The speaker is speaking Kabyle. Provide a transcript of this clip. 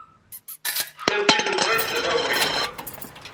D taneččit-nteɣ ay d tamawayt.